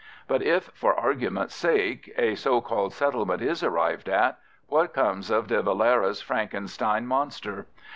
But if, for argument's sake, a so called settlement is arrived at, what becomes of De Valera's Frankenstein monster?